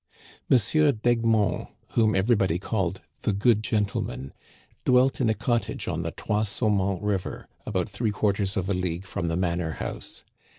M. d'Egmont, whom everybody called the good gentleman," dwelt in a cottage on the Trois Sau mons River, about three quarters of a league from the manor house.